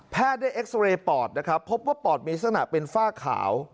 ได้เอ็กซอเรย์ปอดนะครับพบว่าปอดมีลักษณะเป็นฝ้าขาว